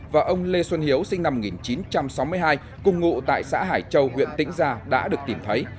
và ông lê xuân hiếu sinh năm một nghìn chín trăm sáu mươi hai cùng ngụ tại xã hải châu huyện tĩnh gia đã được tìm thấy